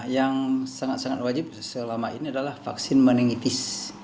yang sangat sangat wajib selama ini adalah vaksin meningitis